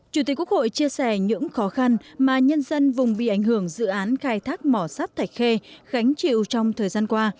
chủ tịch quốc hội chia sẻ những khó khăn mà nhân dân vùng bị ảnh hưởng dự án khai thác mỏ sắt thạch khê gánh chịu trong thời gian qua